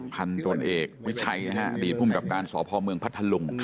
พันธุ์ตำรวจเอกวิชัยภายใจคุณผู้จัดการสอพเมืองพัทธรุง